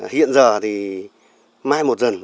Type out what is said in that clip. hiện giờ thì mai một dần